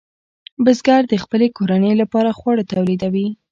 بزګر د خپلې کورنۍ لپاره خواړه تولیدوي.